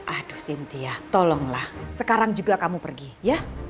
aduh cynthia tolonglah sekarang juga kamu pergi ya